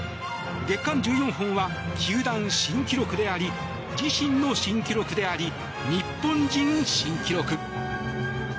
月間１４本は球団新記録であり自身の新記録であり日本人新記録。